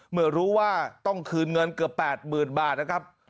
เมื่อรู้ว่าต้องคืนเงินเกือบ๘๐๐๐บาทนะครับ